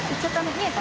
見えた。